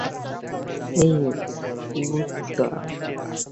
হেই, Yuta!